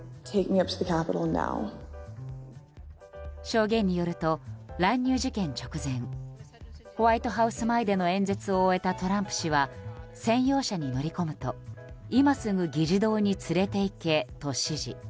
証言によると乱入事件直前ホワイトハウス前での演説を終えたトランプ氏は専用車に乗り込むと今すぐ議事堂に連れて行けと指示。